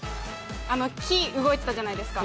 木動いてたじゃないですか。